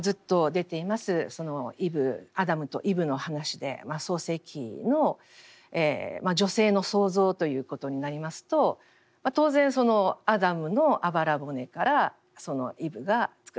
アダムとイブの話で「創世記」の女性の創造ということになりますと当然アダムのあばら骨からイブがつくられたと。